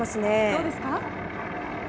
どうですか。